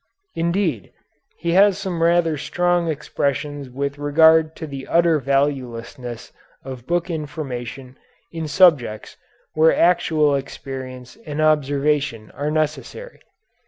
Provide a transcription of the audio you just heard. Indeed, he has some rather strong expressions with regard to the utter valuelessness of book information in subjects where actual experience and observation are necessary.